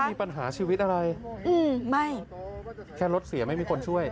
มีปัญหาชีวิตอะไรอืมไม่แค่รถเสียไม่มีคนช่วย